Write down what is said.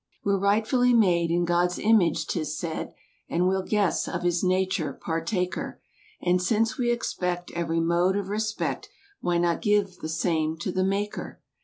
We're rightfully made in God's image 'tis said; And we'll guess, of His nature, partaker. And since we expect every mode of respect— Why not give the same to the Maker!